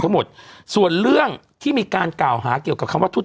ทั้งหมดส่วนเรื่องที่มีการกล่าวหาเกี่ยวกับคำว่าทุน